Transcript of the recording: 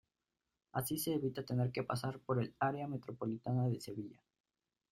Así se evita tener que pasar por el área metropolitana de Sevilla.